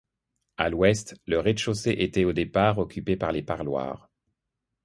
À l'ouest, le rez-de-chaussée était, au départ, occupé par les parloirs.